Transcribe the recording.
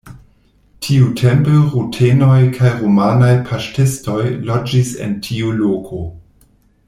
Tiutempe rutenoj kaj rumanaj paŝtistoj loĝis en tiu loko.